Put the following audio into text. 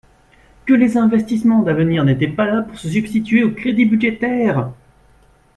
que les investissements d’avenir n’étaient pas là pour se substituer aux crédits budgétaires.